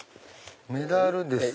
メダルですね。